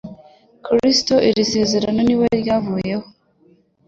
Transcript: Kuri Kristo iri sezerano ni we ryavuzweho